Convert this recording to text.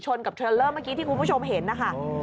กับเทรลเลอร์เมื่อกี้ที่คุณผู้ชมเห็นนะคะ